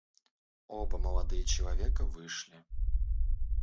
Оба молодые человека вышли.